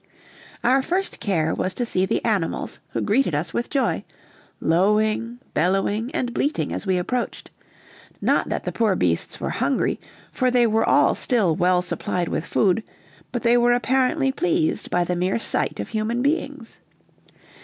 Our first care was to see the animals, who greeted us with joy lowing, bellowing, and bleating as we approached; not that the poor beasts were hungry, for they were all still well supplied with food, but they were apparently pleased by the mere sight of human beings.